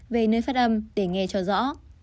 về nơi phát âm để nghe cho rõ